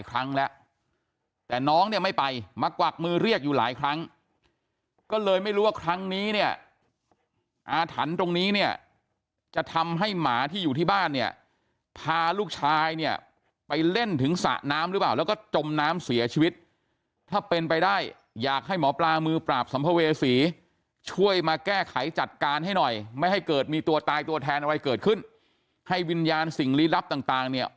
ครั้งแล้วแต่น้องเนี่ยไม่ไปมากวักมือเรียกอยู่หลายครั้งก็เลยไม่รู้ว่าครั้งนี้เนี่ยอาถรรพ์ตรงนี้เนี่ยจะทำให้หมาที่อยู่ที่บ้านเนี่ยพาลูกชายเนี่ยไปเล่นถึงสระน้ำหรือเปล่าแล้วก็จมน้ำเสียชีวิตถ้าเป็นไปได้อยากให้หมอปลามือปราบสัมภเวษีช่วยมาแก้ไขจัดการให้หน่อยไม่ให้เกิดมีตัวตายตัวแทนอะไรเกิดขึ้นให้วิญญาณสิ่งลี้ลับต่างเนี่ย